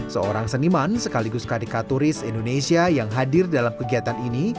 seorang seniman sekaligus kadeka turis indonesia yang hadir dalam kegiatan ini